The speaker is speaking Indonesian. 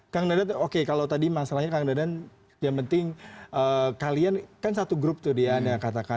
kang dadan oke kalau tadi masalahnya kang dadan yang penting kalian kan satu grup tuh dia anda katakan